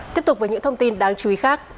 tiếp tục với những thông tin đáng chú ý khác